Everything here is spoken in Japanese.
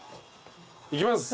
いきます。